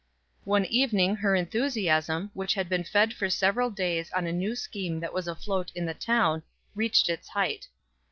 One evening her enthusiasm, which had been fed for several days on a new scheme that was afloat in the town, reached its hight.